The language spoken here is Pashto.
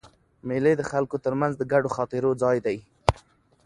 مېلې د خلکو تر منځ د ګډو خاطرو ځای دئ.